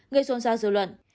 gây xuân ra dự luận